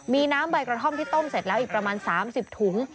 มีน้ำใบกระท่อมที่ต้มเสร็จแล้วอีกประมาณ๓๐ถุง